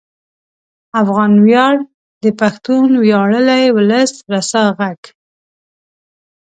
افغان ویاړ د پښتون ویاړلي ولس رسا غږ